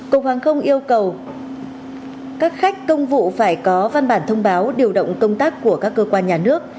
cục hàng không yêu cầu các khách công vụ phải có văn bản thông báo điều động công tác của các cơ quan nhà nước